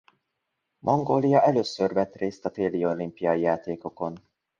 Mongólia először vett részt a téli olimpiai játékokon.